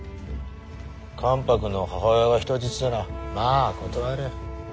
関白の母親が人質ならま断れん。